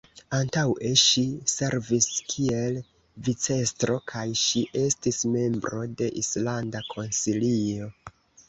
Antaŭe ŝi servis kiel vicestro kaj ŝi estis membro de Islanda Konsilio.